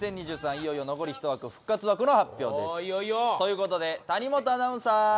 いよいよ残り１枠復活枠の発表です。ということで谷元アナウンサー。